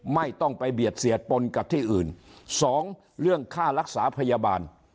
ไม่ต้องไปเบียดเสียดปนกับที่อื่นสองเรื่องค่ารักษาพยาบาล